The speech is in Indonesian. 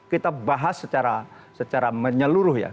kita bahas secara menyeluruh ya